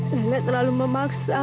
nenek terlalu memaksa